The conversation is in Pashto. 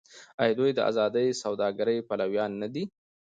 آیا دوی د ازادې سوداګرۍ پلویان نه دي؟